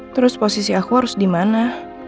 terus posisi aku harus dimana